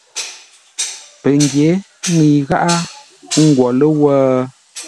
Pəngyě ŋəi gháʼá, ə́ ngwo ləwə̂?